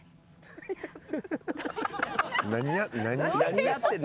何やってん。